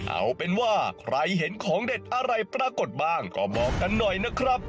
เอาเป็นว่าใครเห็นของเด็ดอะไรปรากฏบ้างก็บอกกันหน่อยนะครับ